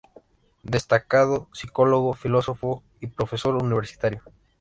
Destacado psicólogo, filósofo y profesor universitario.